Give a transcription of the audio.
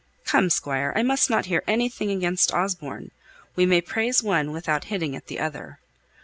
"Come, Squire, I mustn't hear anything against Osborne; we may praise one, without hitting at the other.